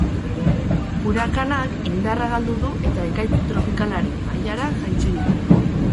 Urakanak indarra galdu du eta ekaitz tropikalaren mailara jaitsi dute.